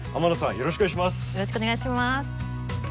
よろしくお願いします。